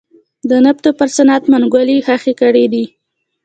د نفتو پر صنعت منګولې خښې کړې دي.